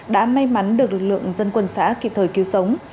đã may mắn được lực lượng dân quân xã kịp thời cứu sống